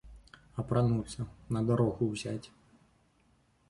Апрануцца, на дарогу ўзяць.